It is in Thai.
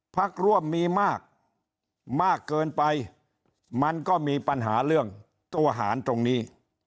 พักร่วมมีมากมากเกินไปมันก็มีปัญหาเรื่องตัวหารตรงนี้